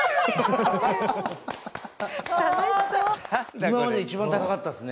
今までで一番高かったですね！